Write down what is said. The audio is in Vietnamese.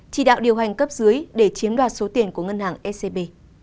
chỉ đạo điều hành cấp dưới để chiếm đoạt số tiền của ngân hàng scb